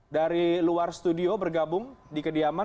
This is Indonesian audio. dari luar studio bergabung di kediaman